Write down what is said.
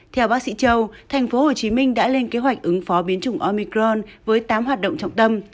theo bác sĩ châu tp hcm đã lên kế hoạch ứng phó biến chủng omicron với tám hoạt động trọng tâm